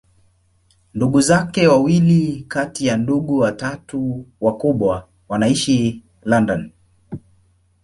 Ndugu zake wawili kati ya ndugu watatu wakubwa wanaishi London.